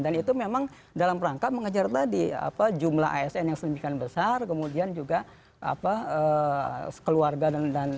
dan itu memang dalam rangka mengejar tadi jumlah asn yang sedemikian besar kemudian juga keluarga dan